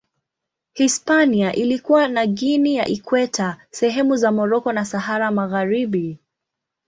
Hispania ilikuwa na Guinea ya Ikweta, sehemu za Moroko na Sahara Magharibi.